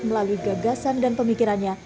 melalui gagasan dan pemikirannya